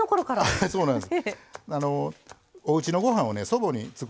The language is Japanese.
はいそうなんです。